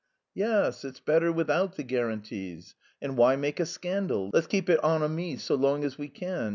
"Yes, it's better without the guarantees. And why make a scandal? Let's keep it en amis so long as we can.